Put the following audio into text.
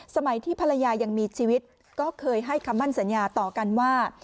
สมัยที่ภรรยายังมีชีวิตก็เคยให้คำมั่นสัญญาต่อกันว่า